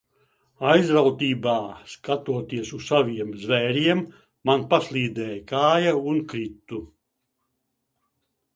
Aizrautībā skatoties uz saviem zvēriem, man paslīdēja kāja un kritu.